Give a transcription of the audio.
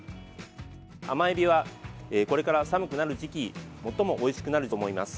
甘えびは、これから寒くなる時期最もおいしくなると思います。